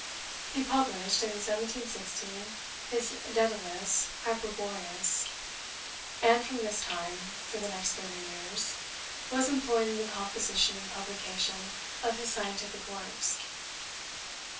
He published, in 1716, his Daedalus Hyperboreus, and, from this time, for the next thirty years, was employed in the composition and publication of his scientific works.